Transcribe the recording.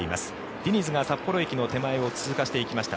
ディニズが札幌駅の手前を通過していきました。